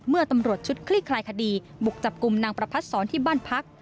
ตำรวจชุดคลี่คลายคดีบุกจับกลุ่มนางประพัดศรที่บ้านพัก